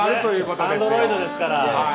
アンドロイドですから。